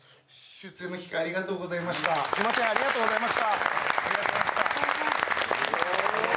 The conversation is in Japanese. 出演の機会ありがとうございました。